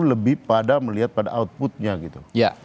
lebih pada melihat pada outputnya gitu